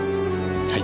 はい。